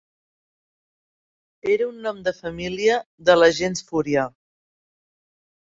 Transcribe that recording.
Era un nom de família de la gens Fúria.